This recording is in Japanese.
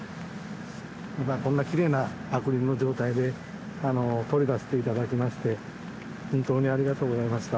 こんなきれいなアクリルの状態で取り出して頂きまして本当にありがとうございました。